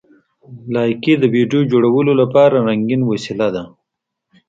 لایکي د ویډیو جوړولو لپاره رنګین وسیله ده.